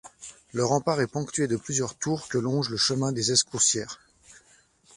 Le rempart est ponctué de plusieurs tours que longe le chemin des Escoussières.